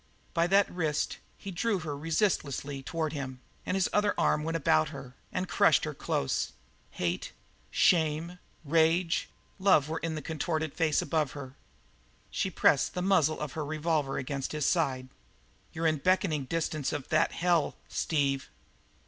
By that wrist he drew her resistlessly toward him, and his other arm went about her and crushed her close; hate, shame, rage, love were in the contorted face above her. She pressed the muzzle of her revolver against his side. "You're in beckoning distance of that hell, Steve!"